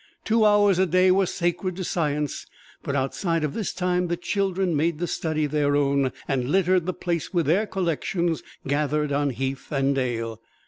Two hours a day were sacred to science, but outside of this time the children made the study their own, and littered the place with their collections gathered on heath and dale.